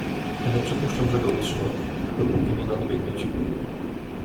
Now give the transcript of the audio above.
"Ale przypuszczam, że go utrzymam, dopóki nie nadbiegniecie."